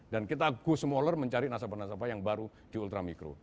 dan kita go smaller mencari nasabah nasabah yang baru di ultramikro